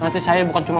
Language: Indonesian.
nanti saya bukan cuma